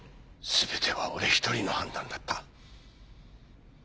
全ては俺一人の判断だった。